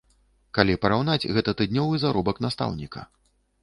Калі параўнаць, гэта тыднёвы заробак настаўніка.